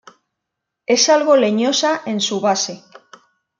Es algo leñosa en su base.